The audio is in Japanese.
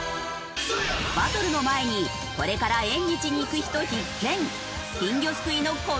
バトルの前にこれから縁日に行く人必見！